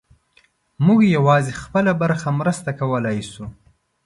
موږ یوازې خپله برخه مرسته کولی شو.